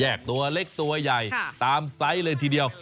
ตัวเล็กตัวใหญ่ตามไซส์เลยทีเดียว